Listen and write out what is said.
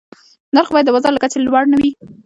نرخ باید د بازار له کچې لوړ نه وي.